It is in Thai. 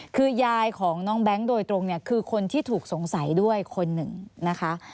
คือยายของน้องแบงค์โดยตรงเนี่ยคือคนที่ถูกสงสัยด้วยคนหนึ่งนะคะ